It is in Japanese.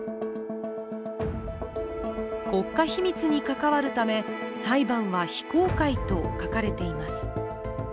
国家秘密に関わるため裁判は非公開と書かれています。